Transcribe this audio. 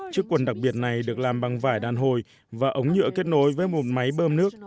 chiếc quần đặc biệt này được làm bằng vải đàn hồi và ống nhựa kết nối với một máy bơm nước